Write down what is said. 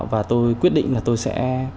và tôi quyết định là tôi sẽ